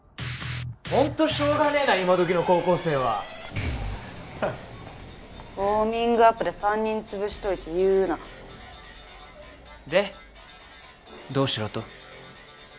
ホントしょうがねえな今どきの高校生はハッウォーミングアップで３人潰しといて言うなでどうしろと？